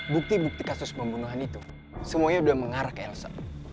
bukti bukti kasus pembunuhan itu semuanya sudah mengarah ke elsa